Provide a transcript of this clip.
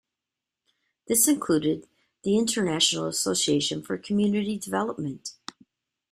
This included the International Association for Community Development.